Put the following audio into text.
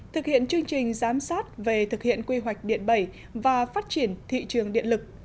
thực hiện chương trình giám sát về thực hiện quy hoạch điện bảy và phát triển thị trường điện lực